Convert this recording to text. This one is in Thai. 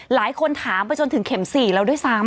หลายคนถามไปจนถึงเข็ม๔แล้วด้วยซ้ำ